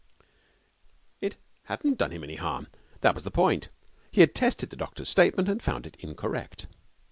It hadn't done him any harm, that was the point. He had tested the doctor's statement and found it incorrect.